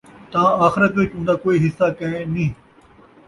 تاں آخرت وِچ اُوندا کوئی حِصّہ کائے نِھیں،